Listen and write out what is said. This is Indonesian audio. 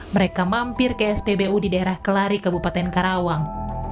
mereka mampir ke spbu di daerah kelari kabupaten karawang